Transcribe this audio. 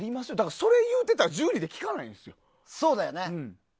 それ言うてたら１２できかないんですよ。